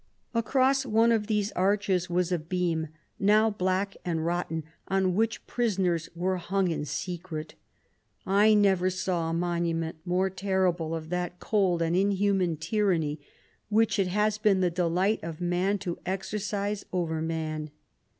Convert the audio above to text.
Across one of these arches was a beam, now black and rotten, on which pri soners were hung in secret. I never saw a monument more terrible of that cold and inhuman tyranny, which it has been the delight of man to exercise over man.